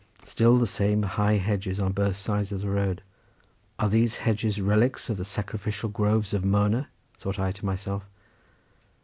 Still the same high hedges on both sides of the road: are these relics of the sacrificial groves of Mona? thought I to myself.